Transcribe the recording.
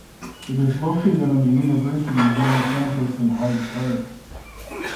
It is located on the University's main campus in Hyde Park.